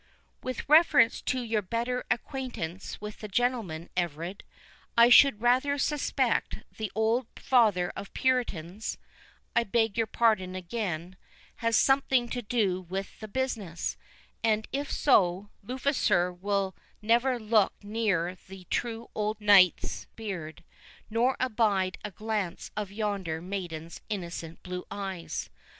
"With reference to your better acquaintance with the gentleman, Everard, I should rather suspect the old father of Puritans (I beg your pardon again) has something to do with the business; and if so, Lucifer will never look near the true old Knight's beard, nor abide a glance of yonder maiden's innocent blue eyes.